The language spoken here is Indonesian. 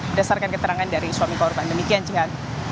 berdasarkan keterangan dari suami korban demikian